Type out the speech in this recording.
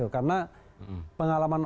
karena pengalaman saya